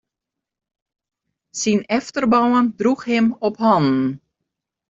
Syn efterban droech him op hannen.